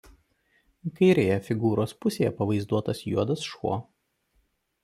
Kairėje figūros pusėje pavaizduotas juodas šuo.